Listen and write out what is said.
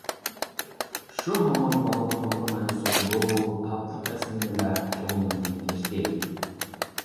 شۇ ھامان بالىلىقىمغا مەنسۇپ نۇرغۇن تاتلىق ئەسلىمىلەر كۆڭلۈمدىن كەچتى.